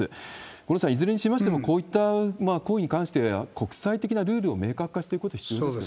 五郎さん、いずれにしましても、こういった行為に関して、国際的なルールを明確化していくこと必要ですよね。